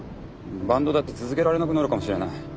バンドだって続けられなくなるかもしれない。